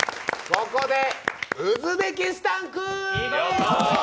ここでウズベキスタンクイズ！